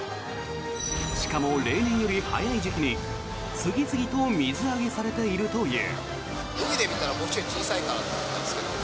しかも、例年より早い時期に次々と水揚げされているという。